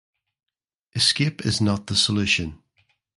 Escape is not the solution.